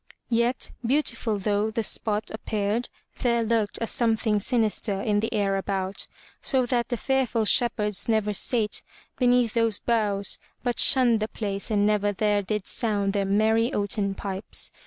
Yet, beautiful though the spot appeared, there lurked a some thing sinister in the air about, so that the fearful shepherds never sate beneath those boughs, but shunned the place and never there did sound their merry oaten pipes.